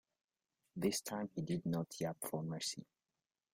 This time he did not yap for mercy.